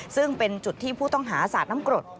ซึ่งเป็นจุดที่ผู้ต้องหาสาดน้ำกรด